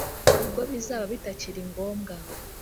ubwo bizaba bitakiri ngombwa